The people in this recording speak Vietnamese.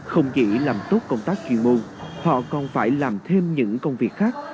không chỉ làm tốt công tác chuyên môn họ còn phải làm thêm những công việc khác